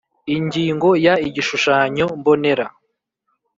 Ingingo Ya Igishushanyo Mbonera